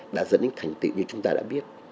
đã dẫn đến thành tựu như chúng ta đã biết